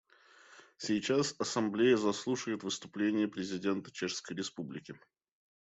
Сейчас Ассамблея заслушает выступление президента Чешской Республики.